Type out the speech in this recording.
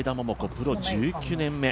プロ１９年目。